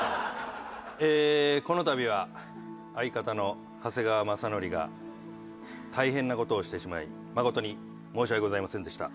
ええこの度は相方の長谷川雅紀が大変な事をしてしまい誠に申し訳ございませんでした。